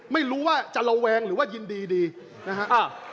ไม่รู้ว่าจะระแวงหรือว่ายินดีดีนะฮะ